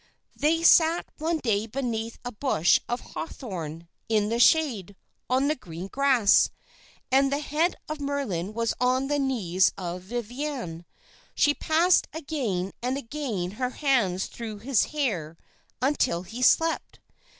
"They sat one day beneath a bush of hawthorn, in the shade, on the green grass, and the head of Merlin was on the knees of Viviane. She passed again and again her hands through his hair, until he slept.